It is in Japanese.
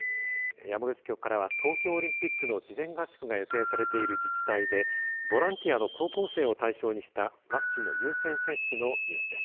山口局からは東京オリンピックの事前合宿が予定されている自治体でボランティアの高校生を対象にしたワクチンの優先接種のニュースです。